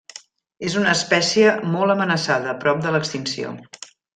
És una espècie molt amenaçada, prop de l'extinció.